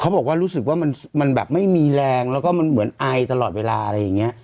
บอกว่ารู้สึกว่ามันแบบไม่มีแรงแล้วก็มันเหมือนไอตลอดเวลาอะไรอย่างนี้